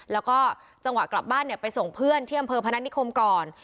แล้วก็จังหวะกลับบ้านเนี่ยไปส่งเพื่อนที่อำเภอพนัฐนิคมก่อน